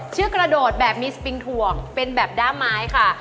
กระโดดแบบมีสปิงถ่วงเป็นแบบด้ามไม้ค่ะ